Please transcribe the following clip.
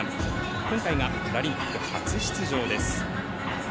今回がパラリンピック初出場です。